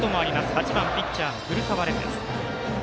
８番ピッチャーの古澤蓮。